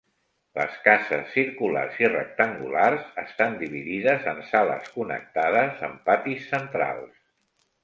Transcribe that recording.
Les cases, circulars i rectangulars, estan dividides en sales connectades amb patis centrals.